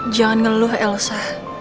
jangan ngeluh elsa